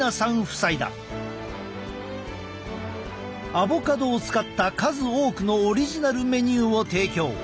アボカドを使った数多くのオリジナルメニューを提供。